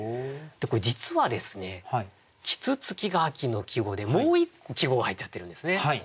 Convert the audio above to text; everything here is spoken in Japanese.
これ実はですね「啄木鳥」が秋の季語でもう一個季語が入っちゃってるんですね。